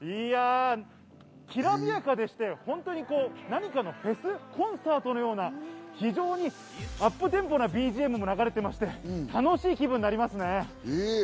きらびやかでして、何かのフェス、コンサートのようなアップテンポなＢＧＭも流れていまして楽しい気分になりますね。